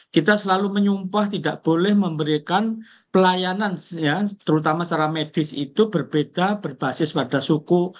kita selalu menyumpah tidak boleh memberikan pelayanan terutama secara medis itu berbeda berbasis pada suku